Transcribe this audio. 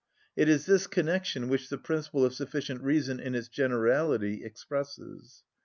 It is this connection which the principle of sufficient reason in its generality expresses.